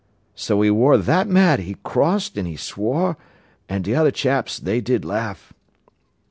So 'e wor that mad, 'e cossed an' 'e swore, an' t'other chaps they did laugh."